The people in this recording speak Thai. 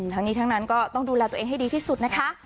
ทั้งนี้ทั้งนั้นก็ต้องดูแลตัวเองให้ดีที่สุดนะคะ